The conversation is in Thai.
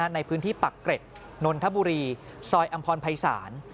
ในพื้นที่ปักเกร็ดนนทบุรีซอยอำพรภัยศาล